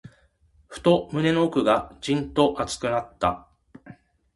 ふと、胸の奥がじんと熱くなった。